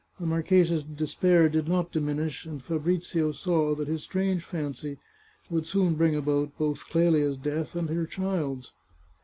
The marchesa's despair did not diminish, and Fabrizio saw that his strange fancy would soon bring about both Clelia's death and her child's.